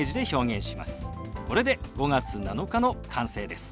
これで「５月７日」の完成です。